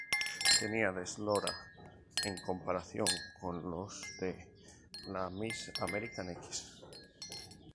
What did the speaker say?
Tenía de eslora, en comparación con los de la "Miss America X".